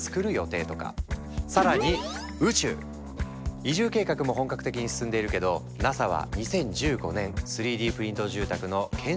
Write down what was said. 移住計画も本格的に進んでいるけどＮＡＳＡは２０１５年３Ｄプリント住宅の建設コンテストを開始。